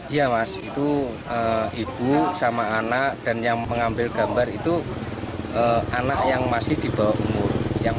iya mas itu ibu sama anak dan yang mengambil gambar itu anak yang masih di bawah umur